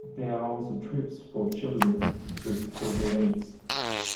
There are also troops for children with special needs.